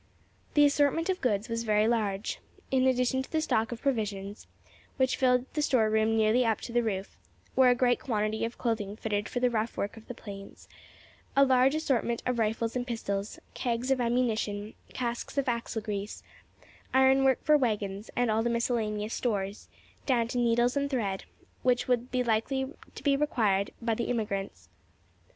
The assortment of goods was very large. In addition to the stock of provisions, which filled the storeroom nearly up to the roof, were a great quantity of clothing fitted for the rough work of the plains, a large assortment of rifles and pistols, kegs of ammunition, casks of axle grease, ironwork for waggons, and all the miscellaneous stores, down to needles and thread, which would be likely to be required by the emigrants.